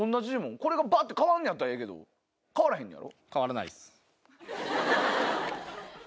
これが変わんねやったらええけど変わらへんねやろ？